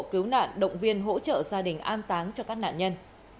cứu nạn động viên hỗ trợ gia đình an táng cho các nạn nhân